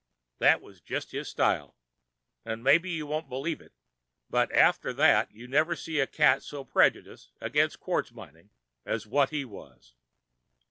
"That was jest his style. An' maybe you won't believe it, but after that you never see a cat so prejudiced agin quartz mining as what he was.